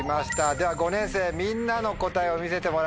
では５年生みんなの答えを見せてもらいましょう。